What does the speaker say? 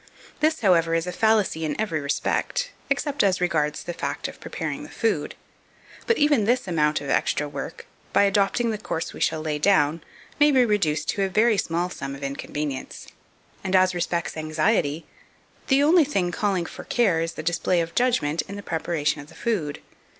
This, however, is a fallacy in every respect, except as regards the fact of preparing the food; but even this extra amount of work, by adopting the course we shall lay down, may be reduced to a very small sum of inconvenience; and as respects anxiety, the only thing calling for care is the display of judgment in the preparation of the food.